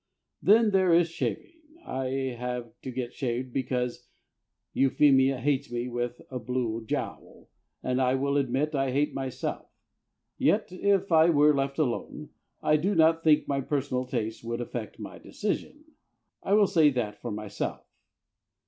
Then there is shaving. I have to get shaved because Euphemia hates me with a blue jowl, and I will admit I hate myself. Yet, if I were left alone, I do not think my personal taste would affect my decision; I will say that for myself.